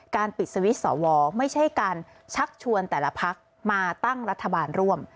ปิดสวิตช์สวไม่ใช่การชักชวนแต่ละพักมาตั้งรัฐบาลร่วม